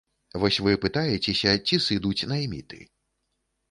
Вось вы пытаецеся, ці сыдуць найміты.